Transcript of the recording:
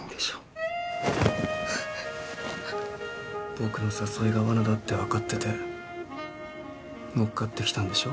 僕の誘いがわなだって分かってて乗っかってきたんでしょ？